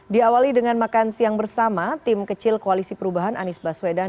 diawali dengan makan siang bersama tim kecil koalisi perubahan anies baswedan